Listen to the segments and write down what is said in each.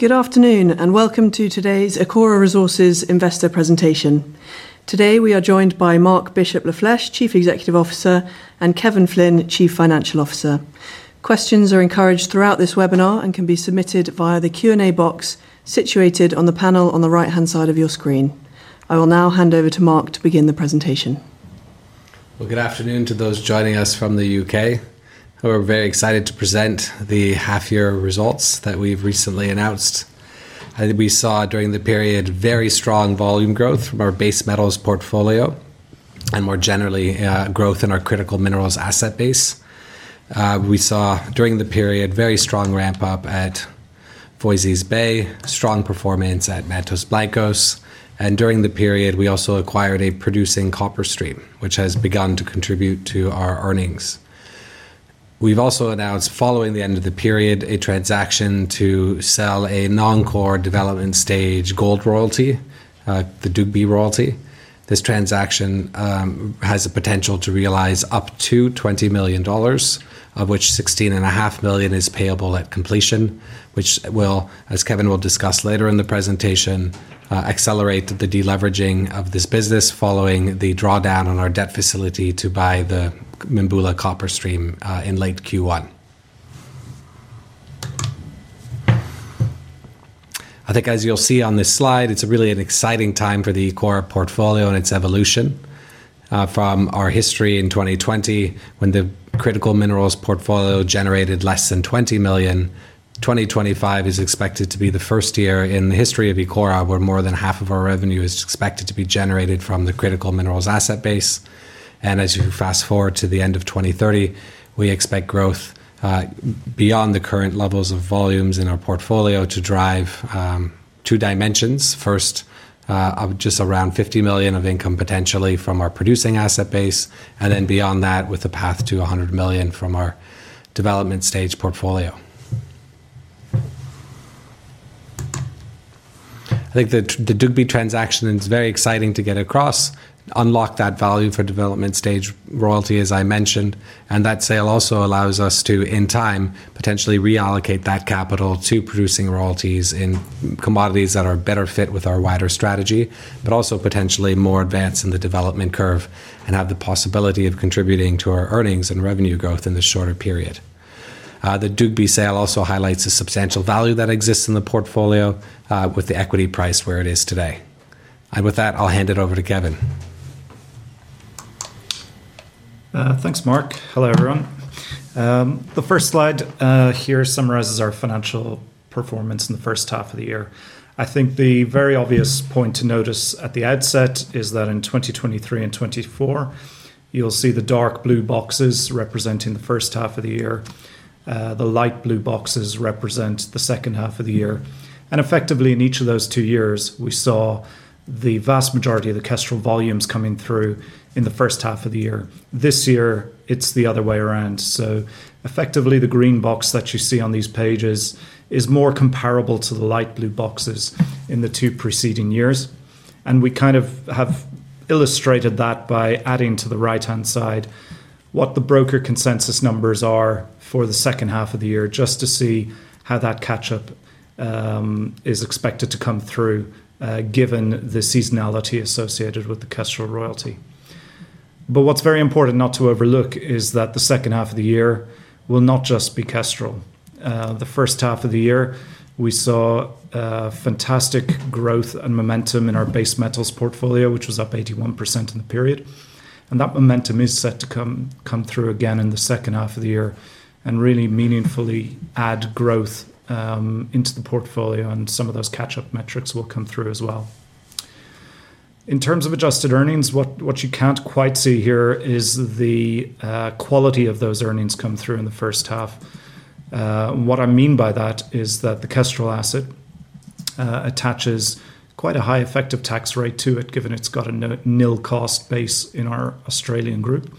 Good afternoon and welcome to today's Ecora Resources Investor Presentation. Today we are joined by Marc Bishop-Lafleche, Chief Executive Officer, and Kevin Flynn, Chief Financial Officer. Questions are encouraged throughout this webinar and can be submitted via the Q&A box situated on the panel on the right-hand side of your screen. I will now hand over to Marc to begin the presentation. Good afternoon to those joining us from the UK. We're very excited to present the half-year results that we've recently announced. We saw, during the period, very strong volume growth from our base metals portfolio and, more generally, growth in our critical minerals asset base. We saw, during the period, a very strong ramp-up at Voisey’s Bay, strong performance at Mantos Blancos, and during the period, we also acquired a producing copper stream, which has begun to contribute to our earnings. We've also announced, following the end of the period, a transaction to sell a non-core development stage gold royalty, the Duke Bee gold royalty. This transaction has the potential to realize up to $20 million, of which $16.5 million is payable at completion, which will, as Kevin will discuss later in the presentation, accelerate the deleveraging of this business following the drawdown on our debt facility to buy the Mimbula Copper Stream in late Q1. I think, as you'll see on this slide, it's really an exciting time for the Ecora Resources PLC portfolio and its evolution. From our history in 2020, when the critical minerals portfolio generated less than $20 million, 2025 is expected to be the first year in the history of Ecora Resources PLC where more than half of our revenue is expected to be generated from the critical minerals asset base. As you fast forward to the end of 2030, we expect growth beyond the current levels of volumes in our portfolio to drive two dimensions. First, just around $50 million of income potentially from our producing asset base, and then beyond that with a path to $100 million from our development stage portfolio. I think the Duke Bee transaction is very exciting to get across, unlock that value for development stage royalty, as I mentioned, and that sale also allows us to, in time, potentially reallocate that capital to producing royalties in commodities that are better fit with our wider strategy, but also potentially more advanced in the development curve and have the possibility of contributing to our earnings and revenue growth in the shorter period. The Duke Bee sale also highlights the substantial value that exists in the portfolio with the equity price where it is today. With that, I'll hand it over to Kevin. Thanks, Marc. Hello, everyone. The first slide here summarizes our financial performance in the first half of the year. I think the very obvious point to notice at the outset is that in 2023 and 2024, you'll see the dark blue boxes representing the first half of the year. The light blue boxes represent the second half of the year. Effectively, in each of those two years, we saw the vast majority of the cash flow volumes coming through in the first half of the year. This year, it's the other way around. Effectively, the green box that you see on these pages is more comparable to the light blue boxes in the two preceding years. We have illustrated that by adding to the right-hand side what the broker consensus numbers are for the second half of the year, just to see how that catch-up is expected to come through, given the seasonality associated with the cash flow royalty. What's very important not to overlook is that the second half of the year will not just be cash flow. The first half of the year, we saw fantastic growth and momentum in our base metals portfolio, which was up 81% in the period. That momentum is set to come through again in the second half of the year and really meaningfully add growth into the portfolio, and some of those catch-up metrics will come through as well. In terms of adjusted earnings, what you can't quite see here is the quality of those earnings come through in the first half. What I mean by that is that the cash flow asset attaches quite a high effective tax rate to it, given it's got a nil cost base in our Australian group.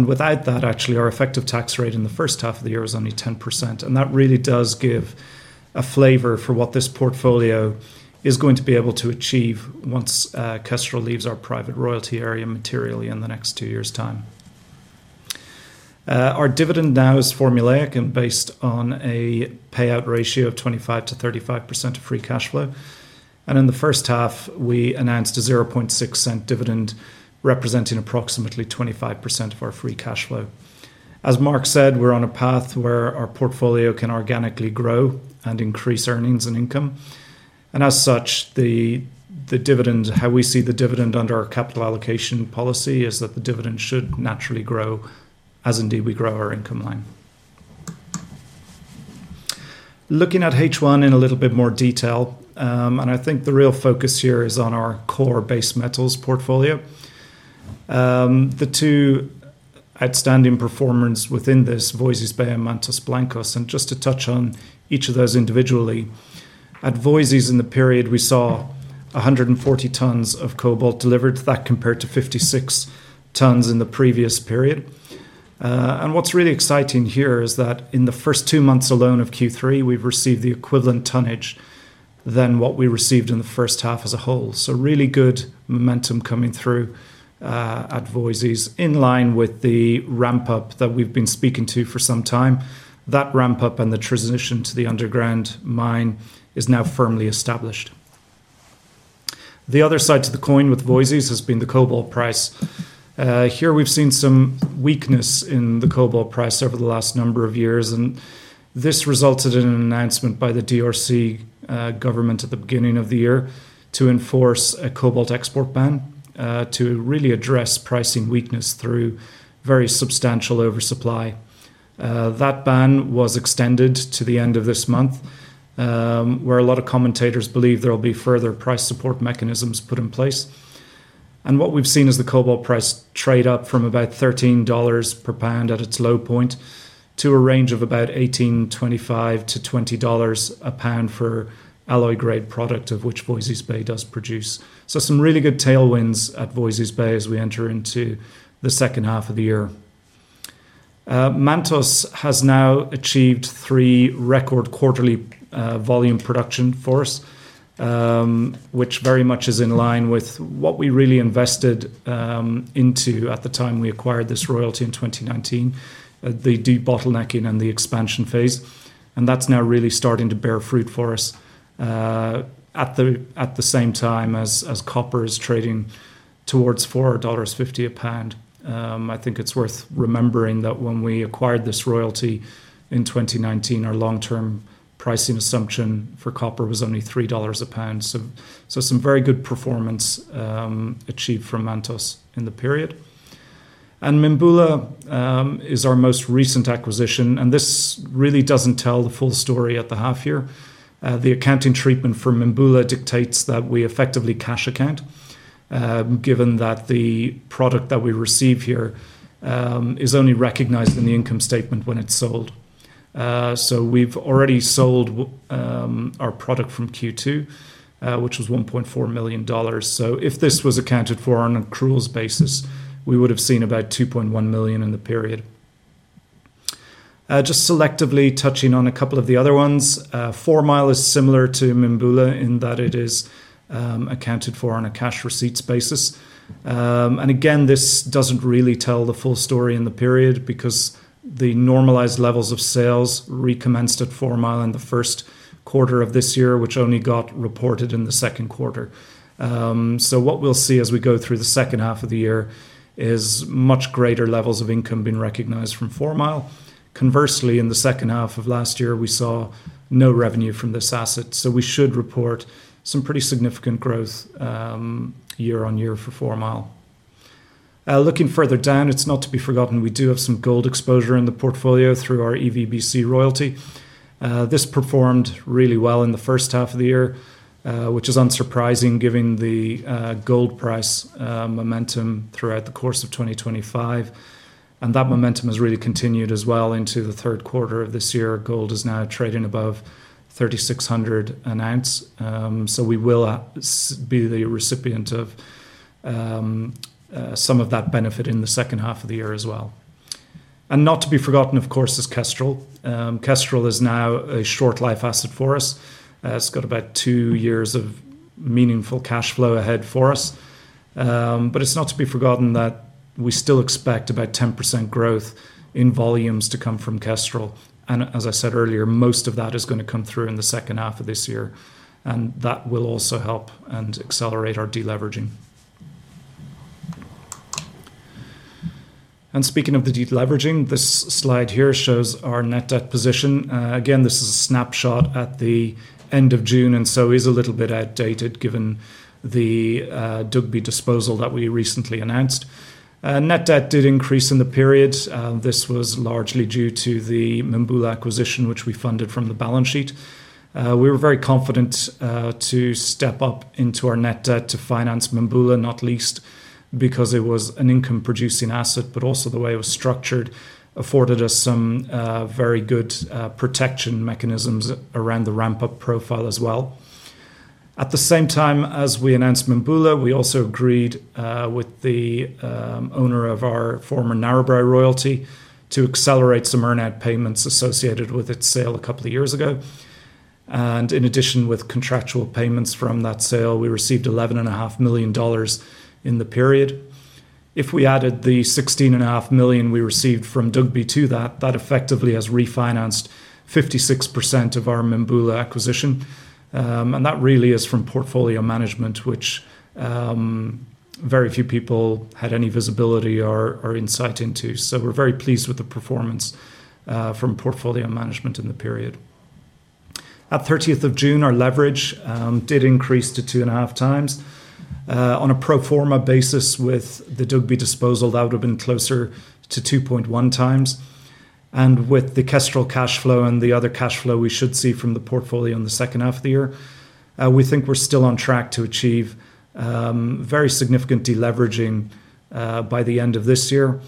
Without that, actually, our effective tax rate in the first half of the year is only 10%. That really does give a flavor for what this portfolio is going to be able to achieve once cash flow leaves our private royalty area materially in the next two years' time. Our dividend now is formulaic and based on a payout ratio of 25% to 35% of free cash flow. In the first half, we announced a 0.6% dividend representing approximately 25% of our free cash flow. As Marc said, we're on a path where our portfolio can organically grow and increase earnings and income. As such, the dividend, how we see the dividend under our capital allocation policy is that the dividend should naturally grow, as indeed we grow our income line. Looking at H1 in a little bit more detail, I think the real focus here is on our core base metals portfolio. The two outstanding performers within this, Voisey’s Bay and Mantos Blancos, and just to touch on each of those individually, at Voisey’s in the period, we saw 140 tons of cobalt delivered to that compared to 56 tons in the previous period. What's really exciting here is that in the first two months alone of Q3, we've received the equivalent tonnage than what we received in the first half as a whole. Really good momentum coming through at Voisey’s in line with the ramp-up that we've been speaking to for some time. That ramp-up and the transition to the underground mine is now firmly established. The other side of the coin with Voisey’s has been the cobalt price. Here, we've seen some weakness in the cobalt price over the last number of years, and this resulted in an announcement by the DRC government at the beginning of the year to enforce a cobalt export ban to really address pricing weakness through very substantial oversupply. That ban was extended to the end of this month, where a lot of commentators believe there will be further price support mechanisms put in place. We've seen the cobalt price trade up from about $13 per pound at its low point to a range of about $18.25 to $20 per pound for alloy-grade product, of which Voisey’s Bay does produce. Some really good tailwinds at Voisey’s Bay as we enter into the second half of the year. Mantos has now achieved three record quarterly volume production for us, which very much is in line with what we really invested into at the time we acquired this royalty in 2019, the de-bottlenecking and the expansion phase. That's now really starting to bear fruit for us at the same time as copper is trading towards $4.50 per pound. I think it's worth remembering that when we acquired this royalty in 2019, our long-term pricing assumption for copper was only $3 per pound. Some very good performance achieved from Mantos in the period. Mimbula is our most recent acquisition, and this really doesn't tell the full story at the half year. The accounting treatment for Mimbula dictates that we effectively cash account, given that the product that we receive here is only recognized in the income statement when it's sold. We've already sold our product from Q2, which was $1.4 million. If this was accounted for on an accruals basis, we would have seen about $2.1 million in the period. Just selectively touching on a couple of the other ones, Formile is similar to Mimbula in that it is accounted for on a cash receipts basis. Again, this doesn't really tell the full story in the period because the normalized levels of sales recommenced at Formile in the first quarter of this year, which only got reported in the second quarter. What we'll see as we go through the second half of the year is much greater levels of income being recognized from Formile. Conversely, in the second half of last year, we saw no revenue from this asset. We should report some pretty significant growth year on year for Formile. Looking further down, it's not to be forgotten we do have some gold exposure in the portfolio through our EVBC gold royalty. This performed really well in the first half of the year, which is unsurprising given the gold price momentum throughout the course of 2025. That momentum has really continued as well into the third quarter of this year. Gold is now trading above $3,600 an ounce. We will be the recipient of some of that benefit in the second half of the year as well. Not to be forgotten, of course, is Kestrel. Kestrel is now a short-life asset for us. It's got about two years of meaningful cash flow ahead for us. It's not to be forgotten that we still expect about 10% growth in volumes to come from Kestrel. As I said earlier, most of that is going to come through in the second half of this year. That will also help and accelerate our deleveraging. Speaking of the deleveraging, this slide here shows our net debt position. This is a snapshot at the end of June and is a little bit outdated given the Duke Bee gold royalty disposal that we recently announced. Net debt did increase in the period. This was largely due to the Mimbula Copper Stream acquisition, which we funded from the balance sheet. We were very confident to step up into our net debt to finance Mimbula, not least because it was an income-producing asset, but also the way it was structured afforded us some very good protection mechanisms around the ramp-up profile as well. At the same time as we announced Mimbula, we also agreed with the owner of our former Narrabri royalty to accelerate some earned-out payments associated with its sale a couple of years ago. In addition, with contractual payments from that sale, we received $11.5 million in the period. If we added the $16.5 million we received from Duke Bee to that, that effectively has refinanced 56% of our Mimbula acquisition. That really is from portfolio management, which very few people had any visibility or insight into. We're very pleased with the performance from portfolio management in the period. At June 30, our leverage did increase to 2.5 times. On a pro forma basis, with the Duke Bee disposal, that would have been closer to 2.1 times. With the Kestrel cash flow and the other cash flow we should see from the portfolio in the second half of the year, we think we're still on track to achieve very significant deleveraging by the end of this year.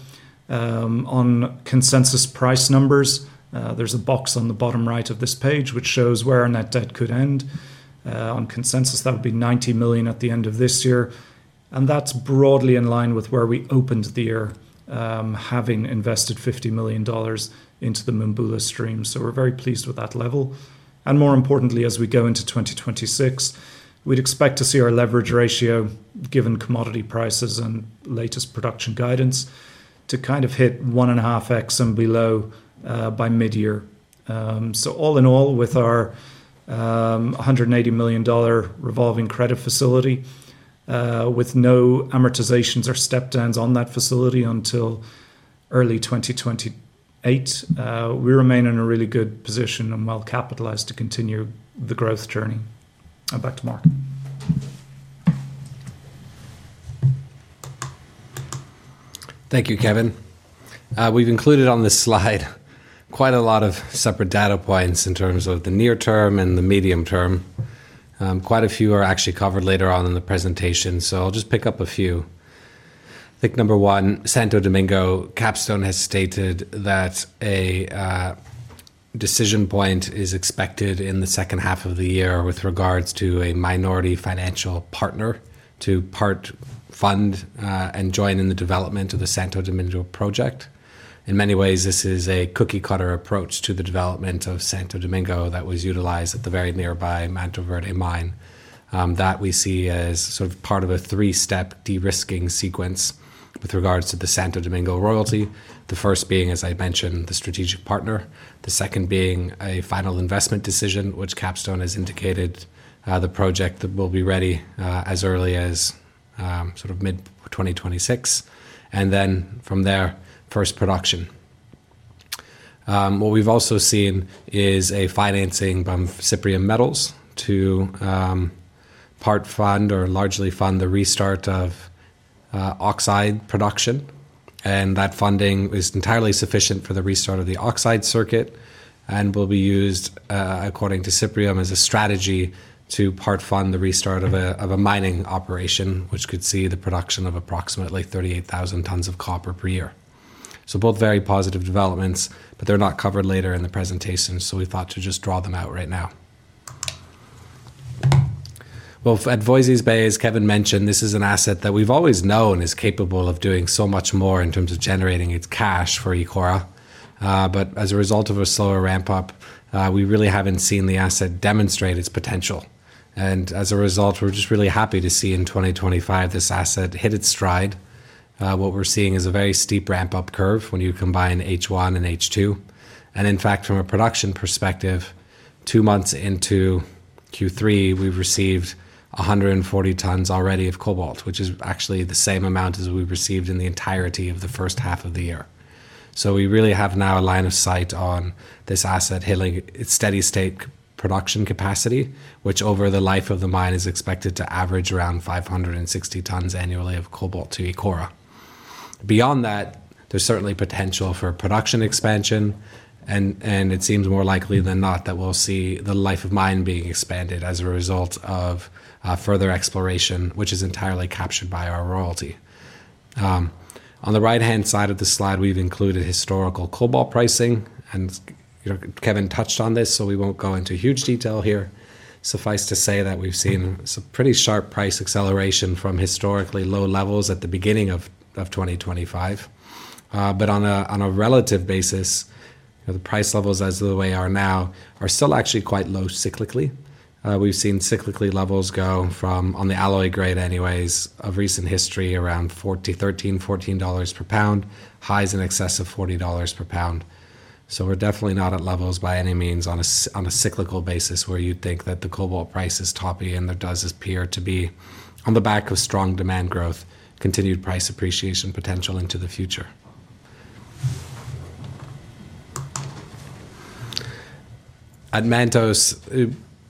On consensus price numbers, there's a box on the bottom right of this page, which shows where our net debt could end. On consensus, that would be $90 million at the end of this year. That's broadly in line with where we opened the year, having invested $50 million into the Mimbula Copper Stream. We're very pleased with that level. More importantly, as we go into 2026, we'd expect to see our leverage ratio, given commodity prices and latest production guidance, to kind of hit 1.5x and below by mid-year. All in all, with our $180 million revolving credit facility, with no amortizations or step-downs on that facility until early 2028, we remain in a really good position and well capitalized to continue the growth journey. Back to Marc. Thank you, Kevin. We've included on this slide quite a lot of separate data points in terms of the near term and the medium term. Quite a few are actually covered later on in the presentation. I'll just pick up a few. I think number one, Santo Domingo, Capstone has stated that a decision point is expected in the second half of the year with regards to a minority financial partner to part fund and join in the development of the Santo Domingo project. In many ways, this is a cookie-cutter approach to the development of Santo Domingo that was utilized at the very nearby Manto Verde mine. That we see as sort of part of a three-step de-risking sequence with regards to the Santo Domingo royalty, the first being, as I mentioned, the strategic partner, the second being a final investment decision, which Capstone has indicated the project will be ready as early as sort of mid-2026, and then from there, first production. What we've also seen is a financing from Cyprian Metals to part fund or largely fund the restart of oxide production. That funding is entirely sufficient for the restart of the oxide circuit and will be used, according to Cyprian, as a strategy to part fund the restart of a mining operation, which could see the production of approximately 38,000 tons of copper per year. Both very positive developments, but they're not covered later in the presentation, so we thought to just draw them out right now. At Voisey’s Bay, as Kevin mentioned, this is an asset that we've always known is capable of doing so much more in terms of generating its cash for Ecora. As a result of a slower ramp-up, we really haven't seen the asset demonstrate its potential. As a result, we're just really happy to see in 2025 this asset hit its stride. What we're seeing is a very steep ramp-up curve when you combine H1 and H2. In fact, from a production perspective, two months into Q3, we've received 140 tons already of cobalt, which is actually the same amount as we've received in the entirety of the first half of the year. We really have now a line of sight on this asset hitting its steady-state production capacity, which over the life of the mine is expected to average around 560 tons annually of cobalt to Ecora. Beyond that, there's certainly potential for production expansion, and it seems more likely than not that we'll see the life of mine being expanded as a result of further exploration, which is entirely captured by our royalty. On the right-hand side of the slide, we've included historical cobalt pricing, and Kevin touched on this, so we won't go into huge detail here. Suffice to say that we've seen some pretty sharp price acceleration from historically low levels at the beginning of 2025. On a relative basis, the price levels as they are now are still actually quite low cyclically. We've seen cyclical levels go from, on the alloy grade anyways, of recent history around $13, $14 per pound, highs in excess of $40 per pound. We're definitely not at levels by any means on a cyclical basis where you'd think that the cobalt price is toppy, and there does appear to be, on the back of strong demand growth, continued price appreciation potential into the future. At Mantos,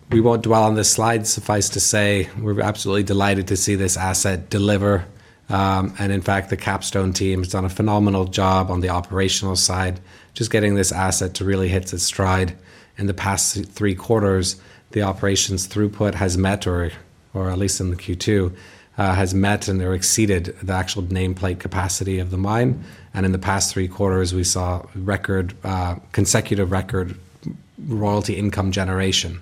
we won't dwell on this slide. Suffice to say, we're absolutely delighted to see this asset deliver. In fact, the Capstone team has done a phenomenal job on the operational side, just getting this asset to really hit its stride. In the past three quarters, the operations throughput has met, or at least in the Q2, has met and exceeded the actual nameplate capacity of the mine. In the past three quarters, we saw consecutive record royalty income generation.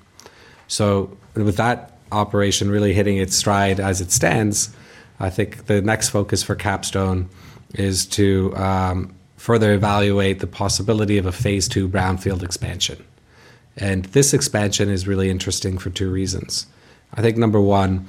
With that operation really hitting its stride as it stands, I think the next focus for Capstone is to further evaluate the possibility of a phase two brownfield expansion. This expansion is really interesting for two reasons. Number one,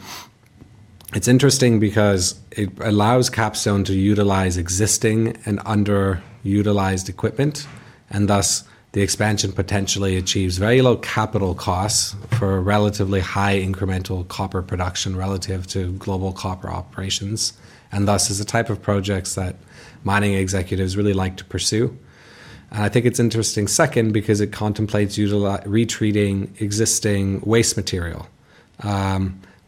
it's interesting because it allows Capstone to utilize existing and underutilized equipment, and thus the expansion potentially achieves very low capital costs for relatively high incremental copper production relative to global copper operations. It's the type of projects that mining executives really like to pursue. I think it's interesting, second, because it contemplates retreating existing waste material,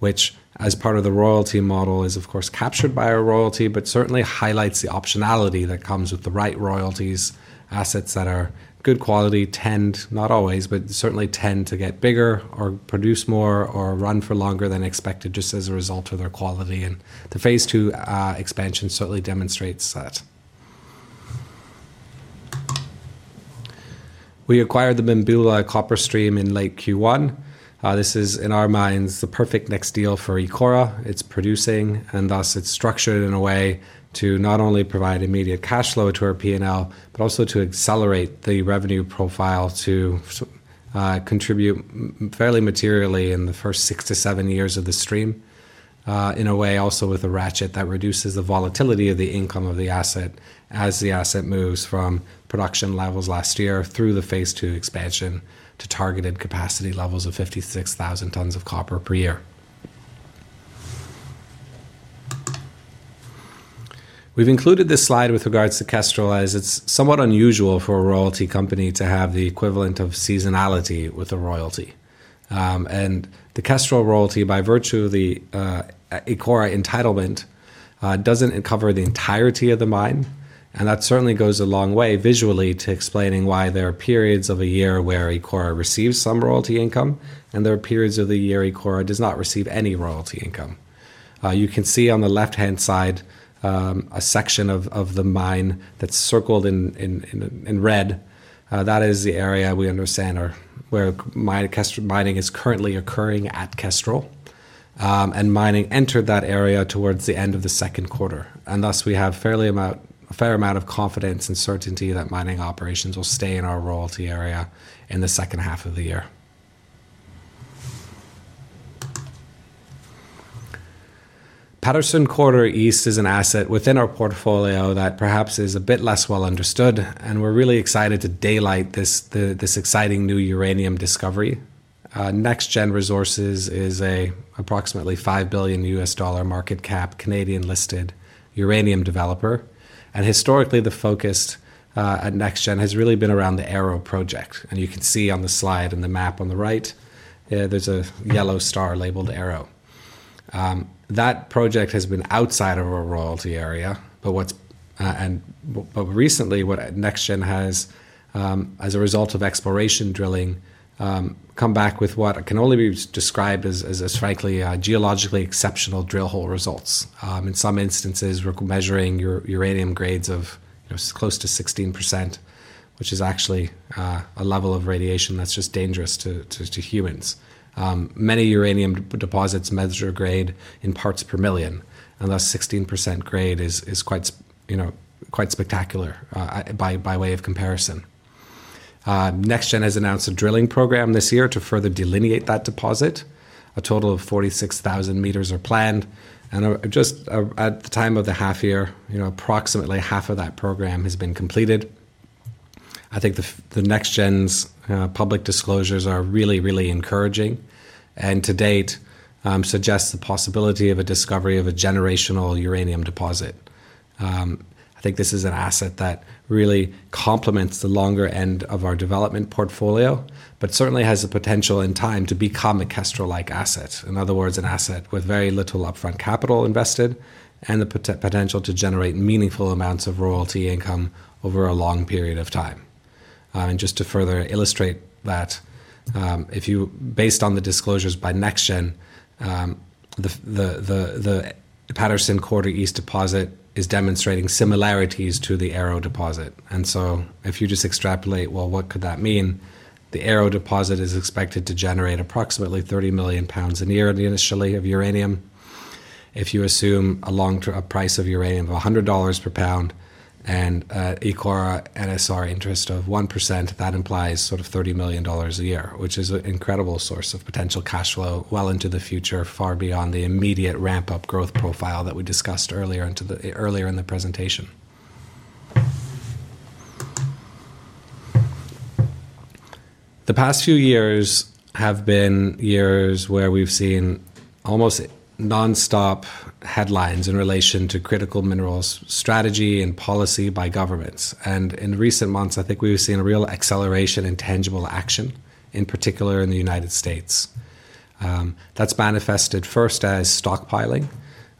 which, as part of the royalty model, is, of course, captured by our royalty, but certainly highlights the optionality that comes with the right royalties, assets that are good quality, tend, not always, but certainly tend to get bigger or produce more or run for longer than expected just as a result of their quality. The phase two expansion certainly demonstrates that. We acquired the Mimbula Copper Stream in late Q1. This is, in our minds, the perfect next deal for Ecora. It's producing, and thus it's structured in a way to not only provide immediate cash flow to our P&L, but also to accelerate the revenue profile to contribute fairly materially in the first six to seven years of the stream, in a way also with a ratchet that reduces the volatility of the income of the asset as the asset moves from production levels last year through the phase two expansion to targeted capacity levels of 56,000 tons of copper per year. We've included this slide with regards to Kestrel as it's somewhat unusual for a royalty company to have the equivalent of seasonality with a royalty. The Kestrel royalty, by virtue of the Ecora entitlement, doesn't cover the entirety of the mine. That certainly goes a long way visually to explaining why there are periods of a year where Ecora receives some royalty income, and there are periods of the year Ecora does not receive any royalty income. You can see on the left-hand side a section of the mine that's circled in red. That is the area we understand where mining is currently occurring at Kestrel. Mining entered that area towards the end of the second quarter. We have a fair amount of confidence and certainty that mining operations will stay in our royalty area in the second half of the year. Paterson Quarter East is an asset within our portfolio that perhaps is a bit less well understood. We're really excited to daylight this exciting new uranium discovery. NextGen Energy is an approximately $5 billion US dollar market cap Canadian-listed uranium developer. Historically, the focus at NextGen has really been around the Arrow project. You can see on the slide and the map on the right, there's a yellow star labeled Arrow. That project has been outside of our royalty area. Recently, NextGen has, as a result of exploration drilling, come back with what can only be described as strikingly geologically exceptional drillhole results. In some instances, we're measuring uranium grades of close to 16%, which is actually a level of radiation that's just dangerous to humans. Many uranium deposits measure grade in parts per million. Thus, 16% grade is quite spectacular by way of comparison. NextGen has announced a drilling program this year to further delineate that deposit. A total of 46,000 meters are planned. Just at the time of the half year, approximately half of that program has been completed. I think the NextGen's public disclosures are really, really encouraging and to date suggest the possibility of a discovery of a generational uranium deposit. I think this is an asset that really complements the longer end of our development portfolio, but certainly has the potential in time to become a Kestrel-like asset. In other words, an asset with very little upfront capital invested and the potential to generate meaningful amounts of royalty income over a long period of time. Just to further illustrate that, based on the disclosures by NextGen, the Paterson Quarter East deposit is demonstrating similarities to the Arrow deposit. If you just extrapolate, well, what could that mean? The Arrow deposit is expected to generate approximately 30 million pounds a year initially of uranium. If you assume a price of uranium of $100 per pound and Ecora NSR interest of 1%, that implies sort of $30 million a year, which is an incredible source of potential cash flow well into the future, far beyond the immediate ramp-up growth profile that we discussed earlier in the presentation. The past few years have been years where we've seen almost nonstop headlines in relation to critical minerals strategy and policy by governments. In recent months, I think we've seen a real acceleration in tangible action, in particular in the United States. That's manifested first as stockpiling.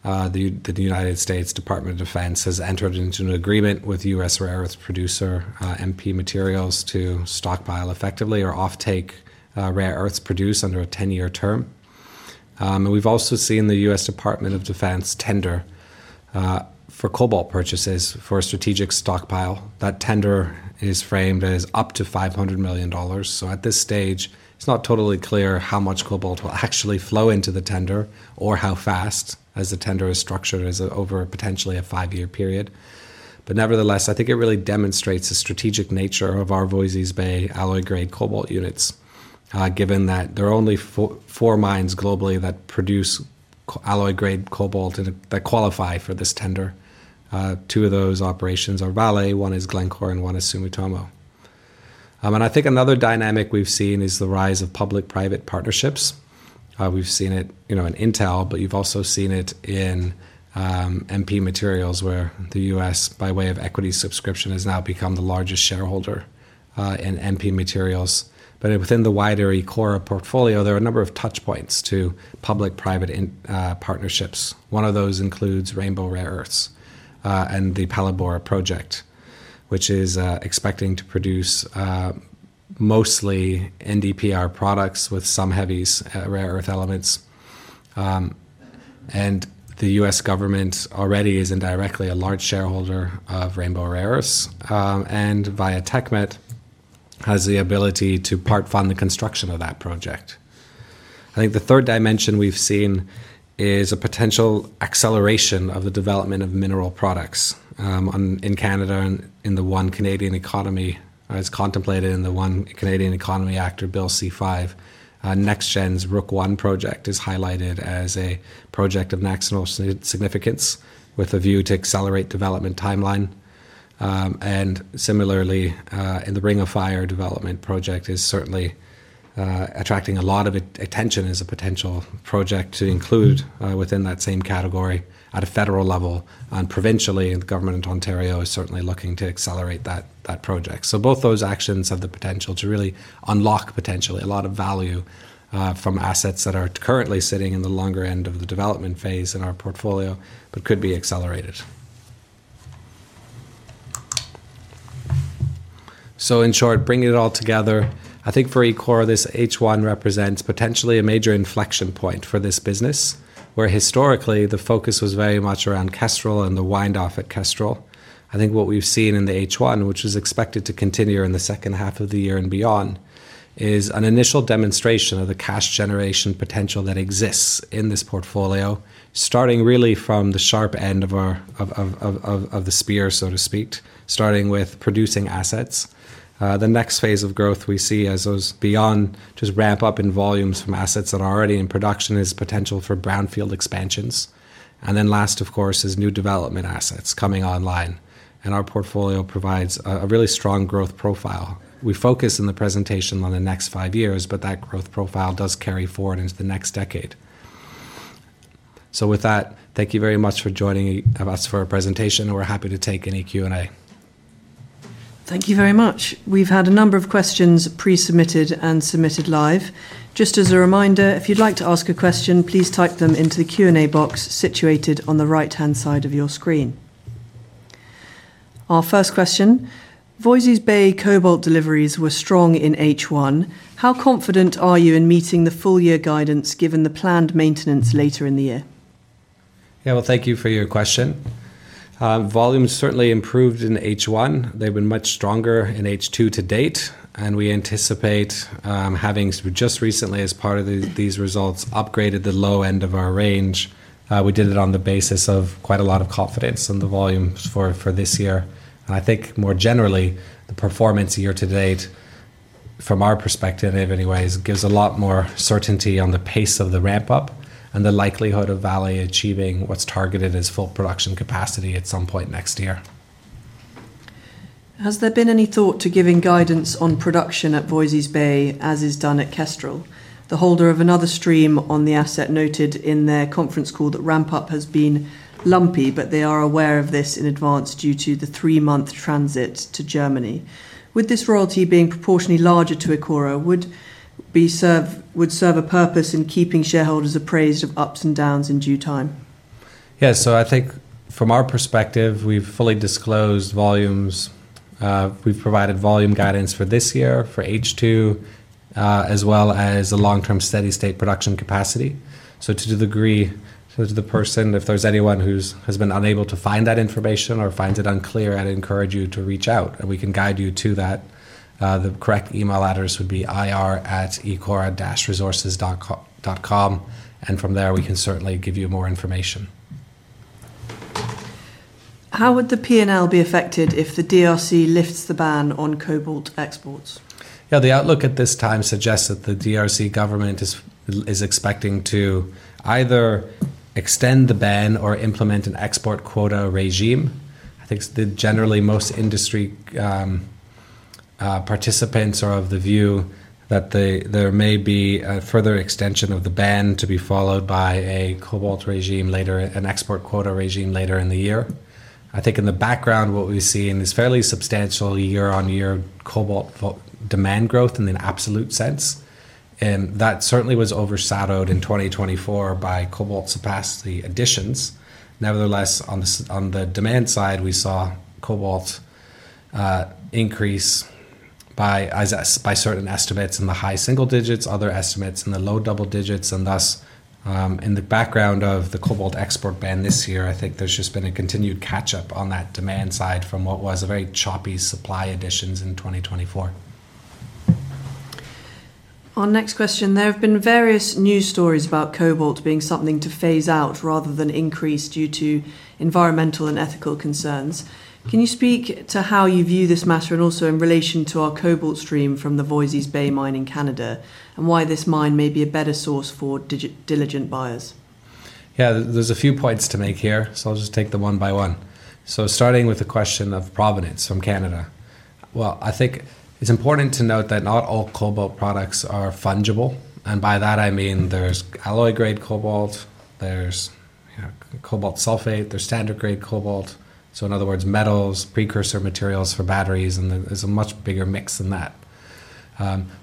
The U.S. Department of Defense has entered into an agreement with U.S. rare earths producer, MP Materials, to stockpile effectively or off-take rare earths produced under a 10-year term. We've also seen the U.S. Department of Defense tender for cobalt purchases for a strategic stockpile. That tender is framed as up to $500 million. At this stage, it's not totally clear how much cobalt will actually flow into the tender or how fast, as the tender is structured, over potentially a five-year period. Nevertheless, I think it really demonstrates the strategic nature of our Voisey’s Bay alloy-grade cobalt units, given that there are only four mines globally that produce alloy-grade cobalt that qualify for this tender. Two of those operations are Vale. One is Glencore and one is Sumitomo. I think another dynamic we've seen is the rise of public-private partnerships. We've seen it in Intel, but you've also seen it in MP Materials, where the U.S., by way of equity subscription, has now become the largest shareholder in MP Materials. Within the wider Ecora Resources PLC portfolio, there are a number of touchpoints to public-private partnerships. One of those includes Rainbow Rare Earths and the Palabora Project, which is expecting to produce mostly NdPr products with some heavy rare earth elements. The U.S. government already is indirectly a large shareholder of Rainbow Rare Earths and, via TechMet, has the ability to part fund the construction of that project. I think the third dimension we've seen is a potential acceleration of the development of mineral products in Canada and in the One Canadian Economy, as contemplated in the One Canadian Economy Act or Bill C5. NextGen Energy's Rook One project is highlighted as a project of national significance with a view to accelerate development timeline. Similarly, the Ring of Fire development project is certainly attracting a lot of attention as a potential project to include within that same category at a federal level. Provincially, the government of Ontario is certainly looking to accelerate that project. Both those actions have the potential to really unlock potentially a lot of value from assets that are currently sitting in the longer end of the development phase in our portfolio but could be accelerated. In short, bringing it all together, I think for Ecora Resources PLC this H1 represents potentially a major inflection point for this business, where historically the focus was very much around Kestrel and the wind-off at Kestrel. I think what we've seen in the H1, which was expected to continue in the second half of the year and beyond, is an initial demonstration of the cash generation potential that exists in this portfolio, starting really from the sharp end of the spear, so to speak, starting with producing assets. The next phase of growth we see as those beyond just ramp-up in volumes from assets that are already in production is potential for brownfield expansions. Last, of course, is new development assets coming online. Our portfolio provides a really strong growth profile. We focus in the presentation on the next five years, but that growth profile does carry forward into the next decade. With that, thank you very much for joining us for a presentation. We're happy to take any Q&A. Thank you very much. We've had a number of questions pre-submitted and submitted live. Just as a reminder, if you'd like to ask a question, please type them into the Q&A box situated on the right-hand side of your screen. Our first question, Voisey’s Bay cobalt deliveries were strong in H1. How confident are you in meeting the full-year guidance given the planned maintenance later in the year? Thank you for your question. Volumes certainly improved in H1. They've been much stronger in H2 to date. We anticipate having just recently, as part of these results, upgraded the low end of our range. We did it on the basis of quite a lot of confidence in the volumes for this year. I think more generally, the performance year to date, from our perspective anyways, gives a lot more certainty on the pace of the ramp-up and the likelihood of Vale achieving what's targeted as full production capacity at some point next year. Has there been any thought to giving guidance on production at Voisey’s Bay as is done at Kestrel? The holder of another stream on the asset noted in their conference call that ramp-up has been lumpy, but they are aware of this in advance due to the three-month transit to Germany. With this royalty being proportionately larger to Ecora, would it serve a purpose in keeping shareholders appraised of ups and downs in due time? I think from our perspective, we've fully disclosed volumes. We've provided volume guidance for this year for H2, as well as a long-term steady-state production capacity. To the degree, to the person, if there's anyone who has been unable to find that information or finds it unclear, I'd encourage you to reach out. We can guide you to that. The correct email address would be ir@ecora-resources.com. From there, we can certainly give you more information. How would the P&L be affected if the DRC lifts the ban on cobalt exports? Yeah, the outlook at this time suggests that the DRC government is expecting to either extend the ban or implement an export quota regime. I think generally, most industry participants are of the view that there may be a further extension of the ban to be followed by a cobalt regime later, an export quota regime later in the year. In the background, what we've seen is fairly substantial year-on-year cobalt demand growth in the absolute sense. That certainly was overshadowed in 2024 by cobalt supply additions. Nevertheless, on the demand side, we saw cobalt increase by certain estimates in the high single digits, other estimates in the low double digits. Thus, in the background of the cobalt export ban this year, I think there's just been a continued catch-up on that demand side from what was a very choppy supply additions in 2024. Our next question, there have been various news stories about cobalt being something to phase out rather than increase due to environmental and ethical concerns. Can you speak to how you view this matter and also in relation to our cobalt stream from the Voisey’s Bay mine in Canada and why this mine may be a better source for diligent buyers? Yeah, there's a few points to make here. I'll just take them one by one. Starting with the question of provenance from Canada, I think it's important to note that not all cobalt products are fungible. By that, I mean there's alloy-grade cobalt, there's cobalt sulfate, there's standard-grade cobalt. In other words, metals, precursor materials for batteries, and there's a much bigger mix than that.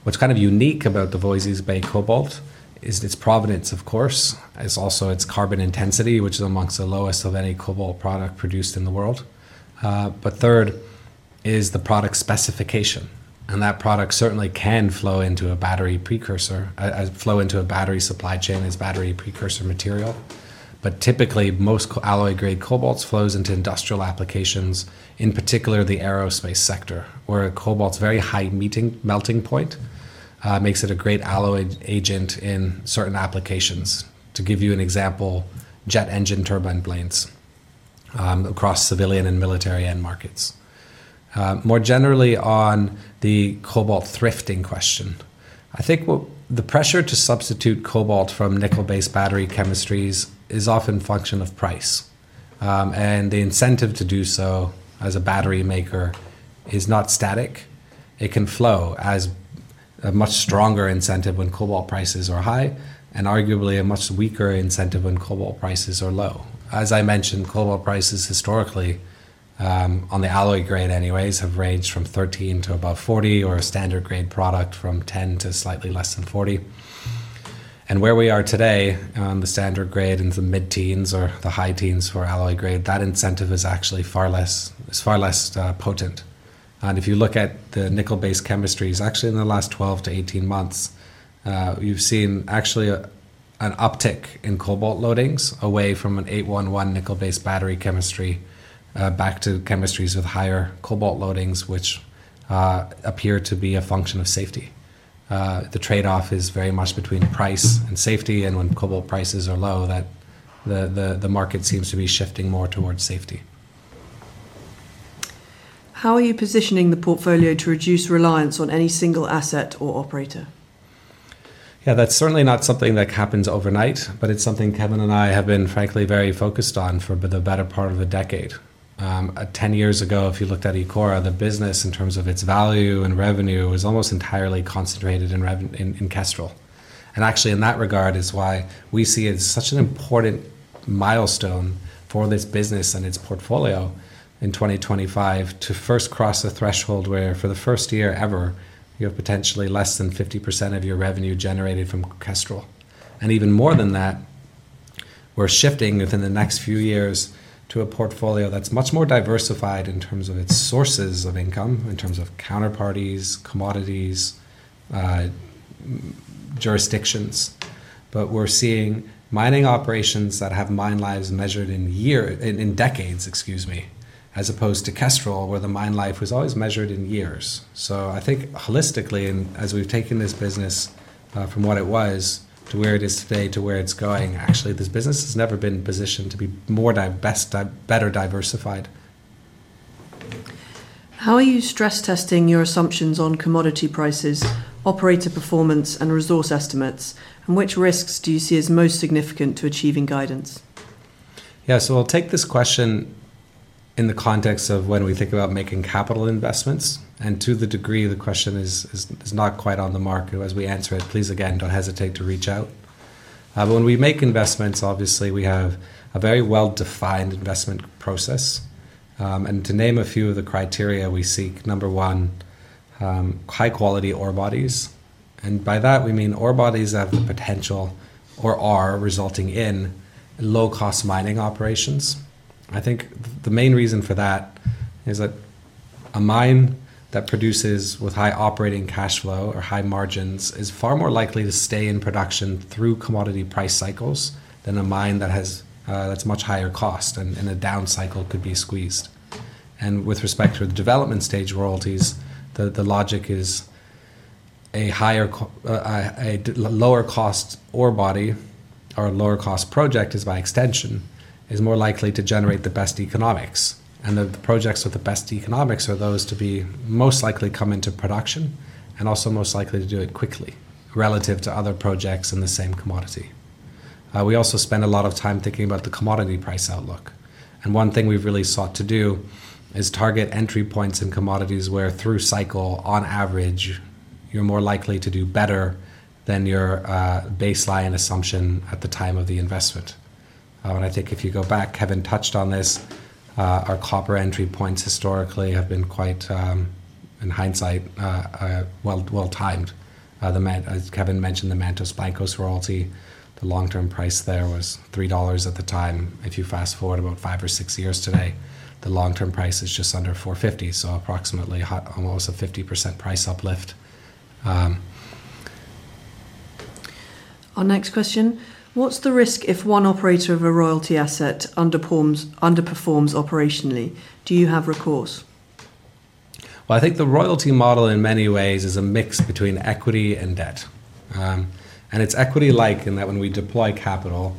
What's kind of unique about the Voisey’s Bay cobalt is its provenance, of course. It's also its carbon intensity, which is amongst the lowest of any cobalt product produced in the world. Third is the product specification. That product certainly can flow into a battery precursor, flow into a battery supply chain as battery precursor material. Typically, most alloy-grade cobalt flows into industrial applications, in particular the aerospace sector, where cobalt's very high melting point makes it a great alloy agent in certain applications. To give you an example, jet engine turbine blades across civilian and military end markets. More generally, on the cobalt thrifting question, I think the pressure to substitute cobalt from nickel-based battery chemistries is often a function of price. The incentive to do so as a battery maker is not static. It can flow as a much stronger incentive when cobalt prices are high and arguably a much weaker incentive when cobalt prices are low. As I mentioned, cobalt prices historically, on the alloy grade anyways, have ranged from $13 to above $40, or a standard grade product from $10 to slightly less than $40. Where we are today on the standard grade in the mid-teens or the high teens for alloy grade, that incentive is actually far less potent. If you look at the nickel-based chemistries, actually in the last 12 to 18 months, you've seen actually an uptick in cobalt loadings away from an 8-1-1 nickel-based battery chemistry back to chemistries with higher cobalt loadings, which appear to be a function of safety. The trade-off is very much between price and safety. When cobalt prices are low, the market seems to be shifting more towards safety. How are you positioning the portfolio to reduce reliance on any single asset or operator? Yeah, that's certainly not something that happens overnight, but it's something Kevin and I have been, frankly, very focused on for the better part of a decade. Ten years ago, if you looked at Ecora Resources PLC, the business in terms of its value and revenue was almost entirely concentrated in Kestrel. Actually, in that regard, it's why we see it as such an important milestone for this business and its portfolio in 2025 to first cross the threshold where, for the first year ever, you have potentially less than 50% of your revenue generated from Kestrel. Even more than that, we're shifting within the next few years to a portfolio that's much more diversified in terms of its sources of income, in terms of counterparties, commodities, jurisdictions. We're seeing mining operations that have mine lives measured in decades, as opposed to Kestrel, where the mine life was always measured in years. I think holistically, as we've taken this business from what it was to where it is today to where it's going, actually, this business has never been positioned to be more better diversified. How are you stress-testing your assumptions on commodity prices, operator performance, and resource estimates? Which risks do you see as most significant to achieving guidance? Yeah, we’ll take this question in the context of when we think about making capital investments. To the degree the question is not quite on the mark as we answer it, please again, don’t hesitate to reach out. When we make investments, obviously, we have a very well-defined investment process. To name a few of the criteria we seek: number one, high-quality ore bodies. By that, we mean ore bodies that have the potential or are resulting in low-cost mining operations. The main reason for that is that a mine that produces with high operating cash flow or high margins is far more likely to stay in production through commodity price cycles than a mine that’s much higher cost and in a down cycle could be squeezed. With respect to the development stage royalties, the logic is a lower-cost ore body or a lower-cost project is, by extension, more likely to generate the best economics. The projects with the best economics are those to be most likely to come into production and also most likely to do it quickly relative to other projects in the same commodity. We also spend a lot of time thinking about the commodity price outlook. One thing we’ve really sought to do is target entry points in commodities where, through cycle, on average, you’re more likely to do better than your baseline assumption at the time of the investment. If you go back, Kevin touched on this, our copper entry points historically have been quite, in hindsight, well-timed. As Kevin mentioned, the Mantos Blancos royalty, the long-term price there was $3 at the time. If you fast forward about five or six years to today, the long-term price is just under $4.50. So approximately almost a 50% price uplift. Our next question, what's the risk if one operator of a royalty asset underperforms operationally? Do you have recourse? I think the royalty model in many ways is a mix between equity and debt. It's equity-like in that when we deploy capital,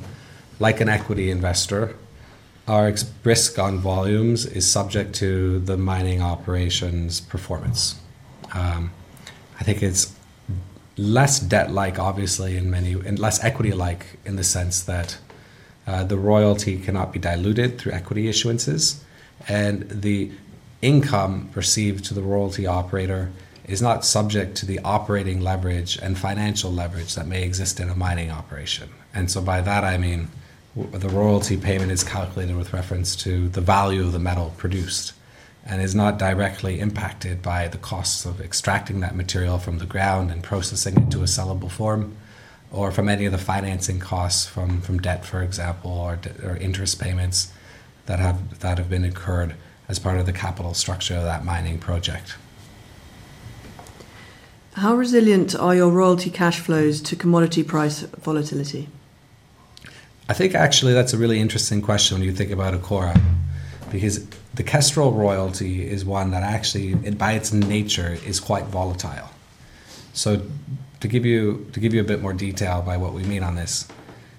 like an equity investor, our risk on volumes is subject to the mining operation's performance. It's less debt-like, obviously, and less equity-like in the sense that the royalty cannot be diluted through equity issuances. The income perceived to the royalty operator is not subject to the operating leverage and financial leverage that may exist in a mining operation. By that, I mean the royalty payment is calculated with reference to the value of the metal produced and is not directly impacted by the costs of extracting that material from the ground and processing it to a sellable form or from any of the financing costs from debt, for example, or interest payments that have been incurred as part of the capital structure of that mining project. How resilient are your royalty and streaming cash flows to commodity price volatility? I think actually that's a really interesting question when you think about Ecora because the Kestrel royalty is one that actually, by its nature, is quite volatile. To give you a bit more detail about what we mean on this,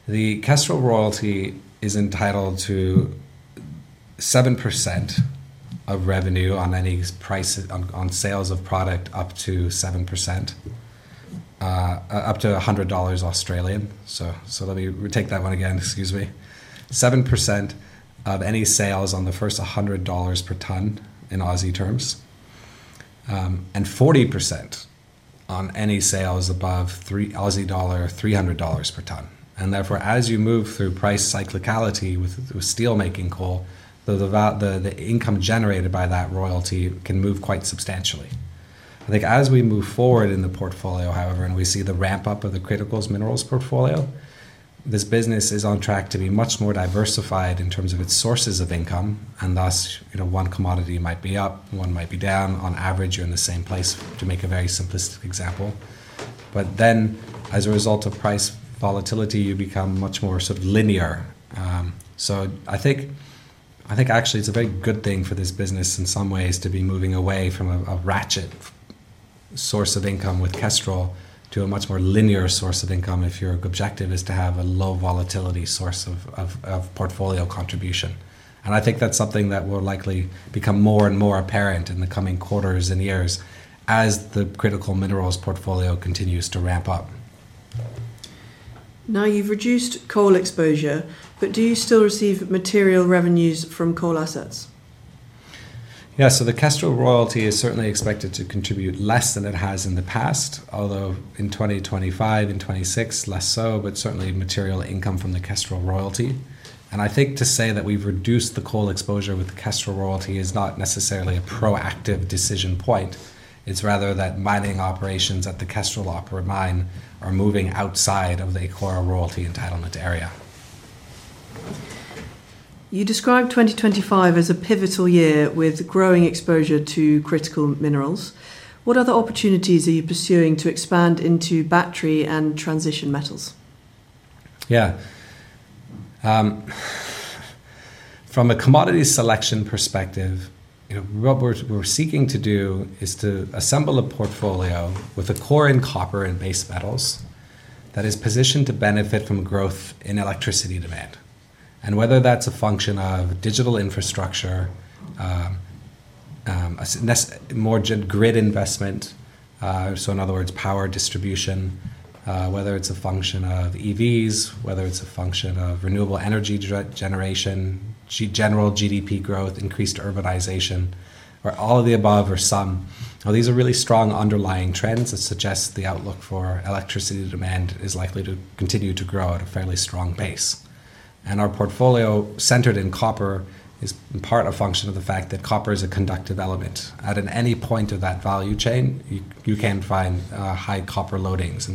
the Kestrel royalty is entitled to 7% of revenue on any sales of product up to A$100. Let me take that one again, excuse me. 7% of any sales on the first A$100 per ton in Aussie terms and 40% on any sales above A$300 per ton. Therefore, as you move through price cyclicality with steelmaking coal, the income generated by that royalty can move quite substantially. I think as we move forward in the portfolio, however, and we see the ramp-up of the critical minerals portfolio, this business is on track to be much more diversified in terms of its sources of income. Thus, one commodity might be up, one might be down. On average, you're in the same place, to make a very simplistic example. As a result of price volatility, you become much more sort of linear. I think actually it's a very good thing for this business in some ways to be moving away from a ratchet source of income with Kestrel to a much more linear source of income if your objective is to have a low volatility source of portfolio contribution. I think that's something that will likely become more and more apparent in the coming quarters and years as the critical minerals portfolio continues to ramp up. Now you've reduced coal exposure, but do you still receive material revenues from coal assets? Yeah, the Kestrel royalty is certainly expected to contribute less than it has in the past. Although in 2025, in 2026, less so, but certainly material income from the Kestrel royalty. I think to say that we've reduced the coal exposure with the Kestrel royalty is not necessarily a proactive decision point. It's rather that mining operations at the Kestrel mine are moving outside of the Ecora royalty entitlement area. You describe 2025 as a pivotal year with growing exposure to critical minerals. What other opportunities are you pursuing to expand into battery and transition metals? Yeah. From a commodity selection perspective, what we're seeking to do is to assemble a portfolio with a core in copper and base metals that is positioned to benefit from growth in electricity demand. Whether that's a function of digital infrastructure, more grid investment, in other words, power distribution, whether it's a function of EVs, whether it's a function of renewable energy generation, general GDP growth, increased urbanization, or all of the above or some. These are really strong underlying trends that suggest the outlook for electricity demand is likely to continue to grow at a fairly strong pace. Our portfolio centered in copper is in part a function of the fact that copper is a conductive element. At any point of that value chain, you can find high copper loadings.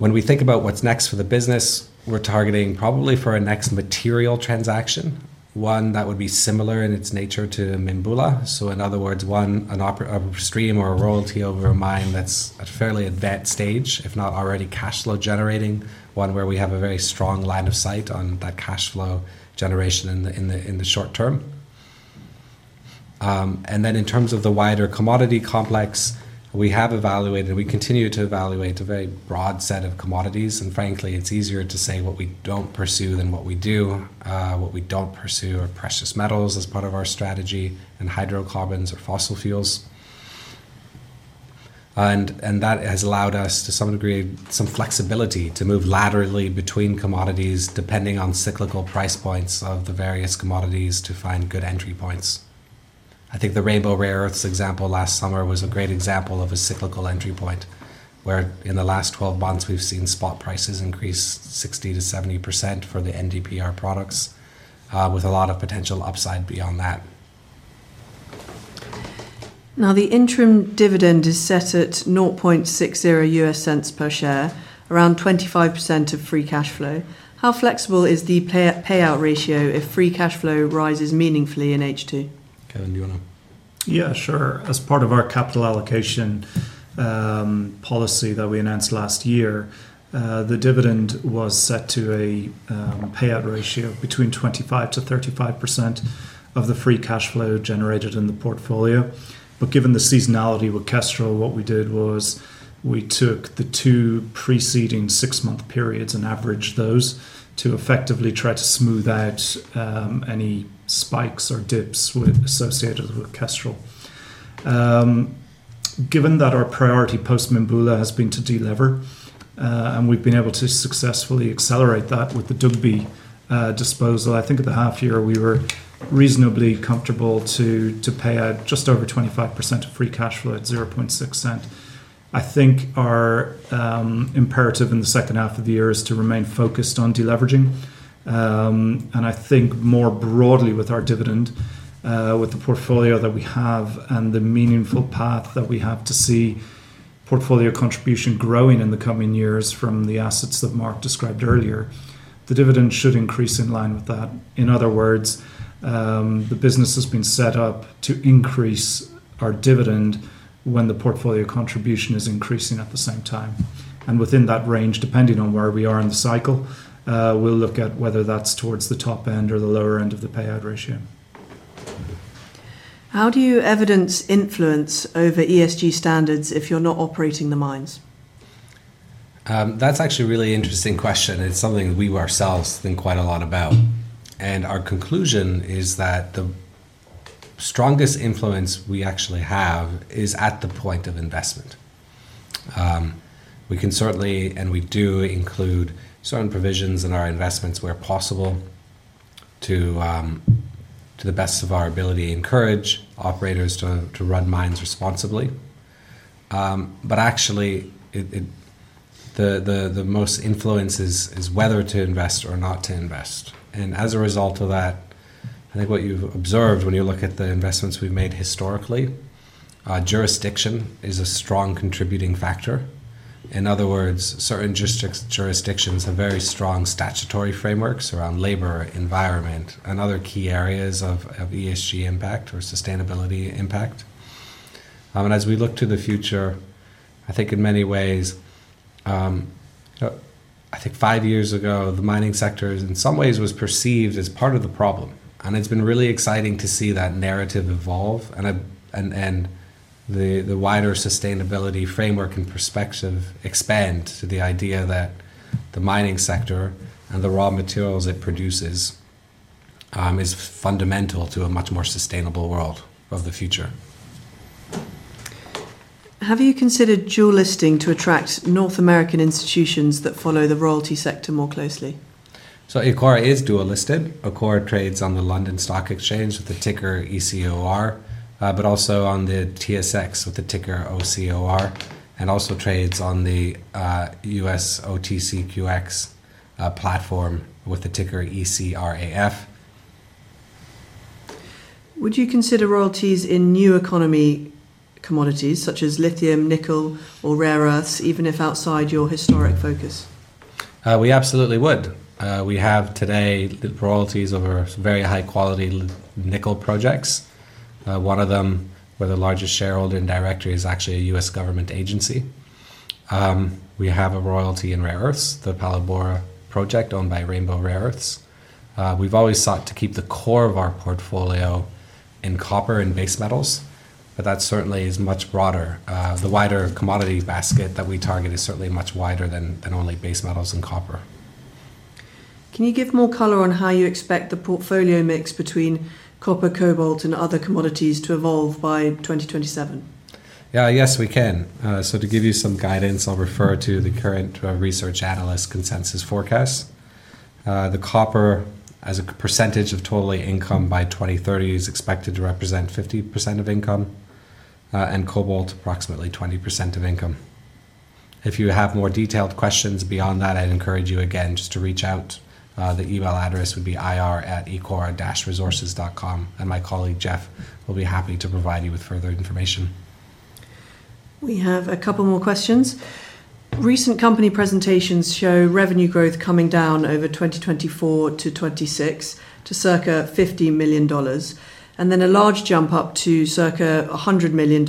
When we think about what's next for the business, we're targeting probably for our next material transaction, one that would be similar in its nature to Mimbula. In other words, one stream or a royalty over a mine that's at a fairly advanced stage, if not already cash flow generating, one where we have a very strong line of sight on that cash flow generation in the short term. In terms of the wider commodity complex, we have evaluated, we continue to evaluate a very broad set of commodities. Frankly, it's easier to say what we don't pursue than what we do. What we don't pursue are precious metals as part of our strategy and hydrocarbons or fossil fuels. That has allowed us, to some degree, some flexibility to move laterally between commodities depending on cyclical price points of the various commodities to find good entry points. I think the Rainbow Rare Earths example last summer was a great example of a cyclical entry point, where in the last 12 months we've seen spot prices increase 60% to 70% for the NDPR products with a lot of potential upside beyond that. Now the interim dividend is set at $0.0060 per share, around 25% of free cash flow. How flexible is the payout ratio if free cash flow rises meaningfully in H2? Kevin, do you want to? Yeah, sure. As part of our capital allocation policy that we announced last year, the dividend was set to a payout ratio between 25% to 35% of the free cash flow generated in the portfolio. Given the seasonality with Kestrel, what we did was we took the two preceding six-month periods and averaged those to effectively try to smooth out any spikes or dips associated with Kestrel. Given that our priority post-Mimbula has been to delever, and we've been able to successfully accelerate that with the Dugby disposal, I think at the half year we were reasonably comfortable to pay out just over 25% of free cash flow at $0.006. I think our imperative in the second half of the year is to remain focused on deleveraging. I think more broadly with our dividend, with the portfolio that we have and the meaningful path that we have to see portfolio contribution growing in the coming years from the assets that Marc described earlier, the dividend should increase in line with that. In other words, the business has been set up to increase our dividend when the portfolio contribution is increasing at the same time. Within that range, depending on where we are in the cycle, we'll look at whether that's towards the top end or the lower end of the payout ratio. How do you evidence influence over ESG standards if you're not operating the mines? That's actually a really interesting question. It's something that we ourselves think quite a lot about. Our conclusion is that the strongest influence we actually have is at the point of investment. We can certainly, and we do, include certain provisions in our investments where possible to, to the best of our ability, encourage operators to run mines responsibly. The most influence is whether to invest or not to invest. As a result of that, I think what you've observed when you look at the investments we've made historically, jurisdiction is a strong contributing factor. In other words, certain jurisdictions have very strong statutory frameworks around labor, environment, and other key areas of ESG impact or sustainability impact. As we look to the future, I think in many ways, I think five years ago, the mining sector in some ways was perceived as part of the problem. It's been really exciting to see that narrative evolve and the wider sustainability framework and perspective expand to the idea that the mining sector and the raw materials it produces are fundamental to a much more sustainable world of the future. Have you considered dual listing to attract North American institutions that follow the royalty sector more closely? Ecora is dual listed. Ecora trades on the London Stock Exchange with the ticker ECOR, also on the TSX with the ticker ECOR, and also trades on the U.S. OTCQX platform with the ticker ECRAF. Would you consider royalties in new economy commodities such as lithium, nickel, or rare earths, even if outside your historic focus? We absolutely would. We have today royalties over some very high-quality nickel projects. One of them, where the largest shareholder indirectly is actually a U.S. government agency. We have a royalty in rare earths, the Palabora project owned by Rainbow Rare Earths. We've always sought to keep the core of our portfolio in copper and base metals, but that certainly is much broader. The wider commodity basket that we target is certainly much wider than only base metals and copper. Can you give more color on how you expect the portfolio mix between copper, cobalt, and other commodities to evolve by 2027? Yes, we can. To give you some guidance, I'll refer to the current research analyst consensus forecast. The copper, as a % of total income by 2030, is expected to represent 50% of income, and cobalt approximately 20% of income. If you have more detailed questions beyond that, I'd encourage you again just to reach out. The email address would be ir@ecora-resources.com, and my colleague Geoff will be happy to provide you with further information. We have a couple more questions. Recent company presentations show revenue growth coming down over 2024 to 2026 to circa $50 million, and then a large jump up to circa $100 million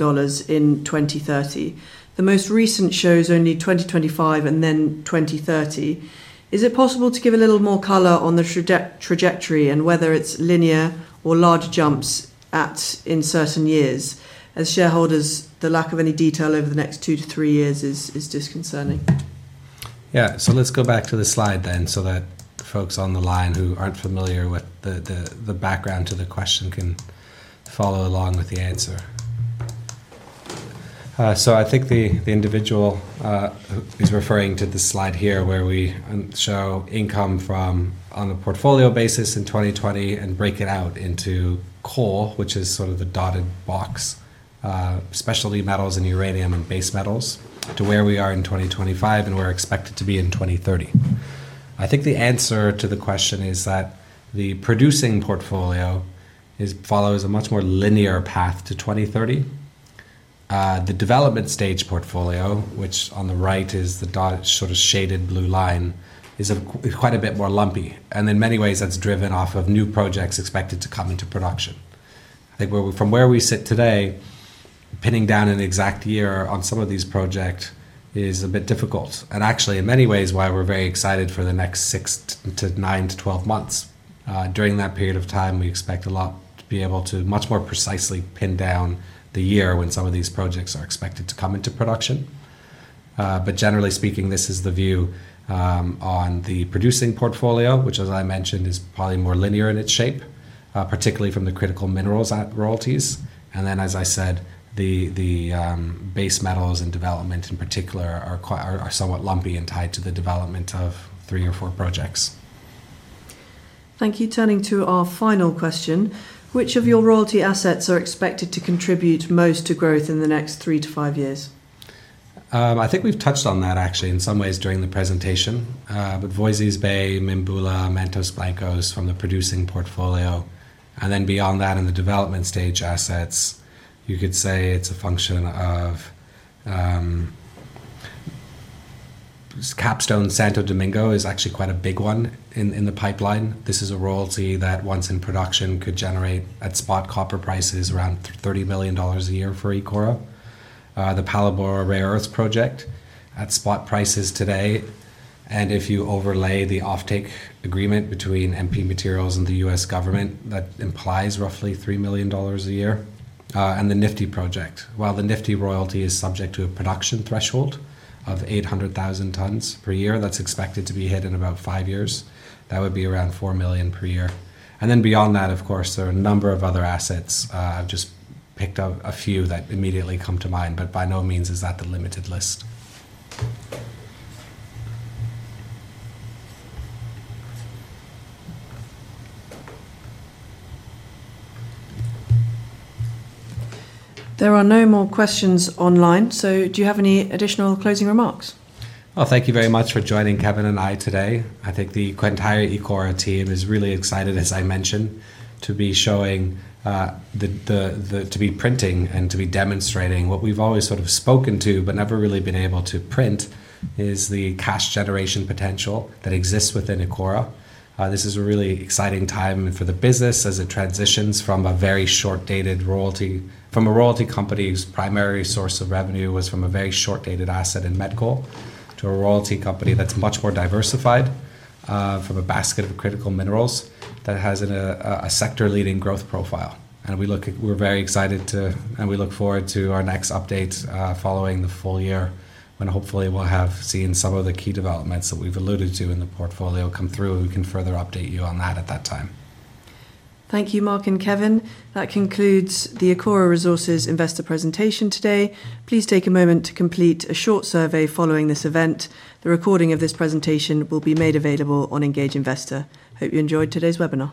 in 2030. The most recent shows only 2025 and then 2030. Is it possible to give a little more color on the trajectory and whether it's linear or large jumps in certain years? As shareholders, the lack of any detail over the next two to three years is disconcerting. Yeah, let's go back to the slide then so that folks on the line who aren't familiar with the background to the question can follow along with the answer. I think the individual is referring to the slide here where we show income from on a portfolio basis in 2020 and break it out into core, which is sort of the dotted box, especially metals and uranium and base metals, to where we are in 2025 and where we're expected to be in 2030. I think the answer to the question is that the producing portfolio follows a much more linear path to 2030. The development stage portfolio, which on the right is the sort of shaded blue line, is quite a bit more lumpy. In many ways, that's driven off of new projects expected to come into production. From where we sit today, pinning down an exact year on some of these projects is a bit difficult. In many ways, that's why we're very excited for the next six to nine to twelve months. During that period of time, we expect a lot to be able to much more precisely pin down the year when some of these projects are expected to come into production. Generally speaking, this is the view on the producing portfolio, which, as I mentioned, is probably more linear in its shape, particularly from the critical minerals royalties. The base metals and development in particular are somewhat lumpy and tied to the development of three or four projects. Thank you. Turning to our final question, which of your royalty assets are expected to contribute most to growth in the next three to five years? I think we've touched on that actually in some ways during the presentation, but Voisey’s Bay, Mimbula, Mantos Blancos from the producing portfolio, and then beyond that in the development stage assets, you could say it's a function of Capstone Santo Domingo is actually quite a big one in the pipeline. This is a royalty that once in production could generate at spot copper prices around $30 million a year for Ecora. The Palabora Rare Earths project at spot prices today, and if you overlay the off-take agreement between MP Materials and the U.S. government, that implies roughly $3 million a year. The Nifty project, while the Nifty royalty is subject to a production threshold of 800,000 tons per year that's expected to be hit in about five years, that would be around $4 million per year. There are a number of other assets. I've just picked up a few that immediately come to mind, but by no means is that the limited list. There are no more questions online, so do you have any additional closing remarks? Thank you very much for joining Kevin and I today. I think the Ecora Resources team is really excited, as I mentioned, to be showing, to be printing, and to be demonstrating what we've always sort of spoken to but never really been able to print is the cash generation potential that exists within Ecora Resources PLC. This is a really exciting time for the business as it transitions from a very short-dated royalty, from a royalty company's primary source of revenue was from a very short-dated asset in Medco, to a royalty company that's much more diversified from a basket of critical minerals that has a sector-leading growth profile. We're very excited to, and we look forward to our next update following the full year when hopefully we'll have seen some of the key developments that we've alluded to in the portfolio come through, and we can further update you on that at that time. Thank you, Marc and Kevin. That concludes the Ecora Resources PLC investor presentation today. Please take a moment to complete a short survey following this event. The recording of this presentation will be made available on Engage Investor. Hope you enjoyed today's webinar.